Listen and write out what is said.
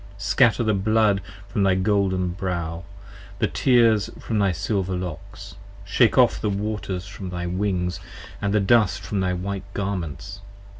40 Scatter the blood from thy golden brow, the tears from thy silver locks: Shake ofF the waters from thy wings, & the dust from thy white garments.